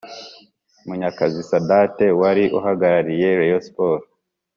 munyakazi sadate wari uhagarariye rayon sports